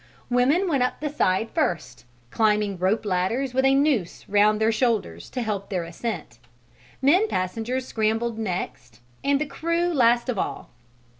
Women went up the side first, climbing rope ladders with a noose round their shoulders to help their ascent; men passengers scrambled next, and the crew last of all.